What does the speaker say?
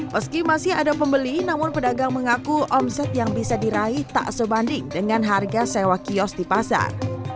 meski masih ada pembeli namun pedagang mengaku omset yang bisa diraih tak sebanding dengan harga sewa kios di pasar